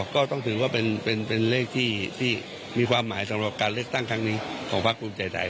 ก็ต้องถือว่าเป็นเลขที่มีความหมายสำหรับการเลือกตั้งครั้งนี้ของพักภูมิใจไทย